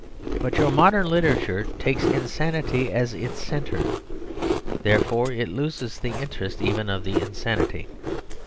But your modern literature takes insanity as its centre. Therefore, it loses the interest even of insanity.